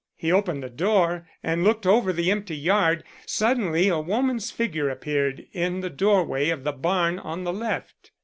He opened the door and looked over the empty yard. Suddenly a woman's figure appeared in the doorway of the barn on the left.